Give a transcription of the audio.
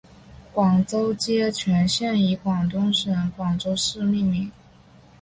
广州街全线以广东省广州市命名。